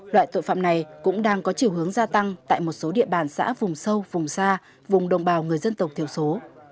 loại tội phạm này cũng đang có chiều hướng gia tăng tại một số địa bàn xã vùng sâu vùng xa vùng đồng bào người dân tộc thiểu số